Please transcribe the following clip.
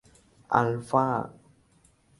อัลฟ่า